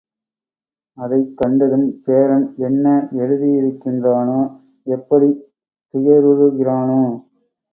அதைக் கண்டதும், பேரன் என்ன எழுதியிருக்கின்றானோ எப்படித் துயருறுகிறானோ?